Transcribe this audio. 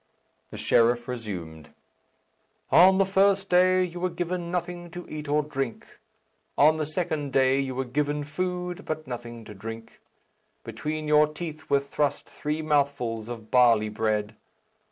The sheriff resumed, "On the first day you were given nothing to eat or drink. On the second day you were given food, but nothing to drink. Between your teeth were thrust three mouthfuls of barley bread.